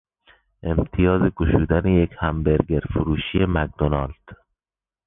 امتیاز گشودن یک همبرگر فروشی مکدونالد